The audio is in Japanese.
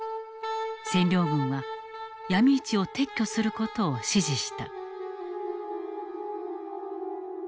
占領軍はヤミ市を撤去する事を指示した。